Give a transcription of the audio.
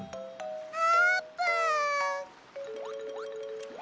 あーぷん。